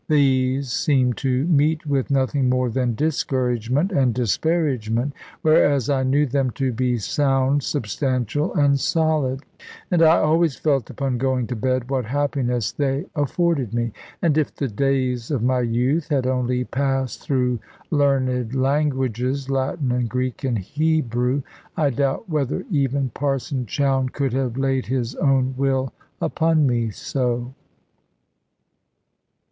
These seemed to meet with nothing more than discouragement and disparagement, whereas I knew them to be sound, substantial, and solid; and I always felt upon going to bed what happiness they afforded me. And if the days of my youth had only passed through learned languages, Latin and Greek and Hebrew, I doubt whether even Parson Chowne could have laid his own will upon me so.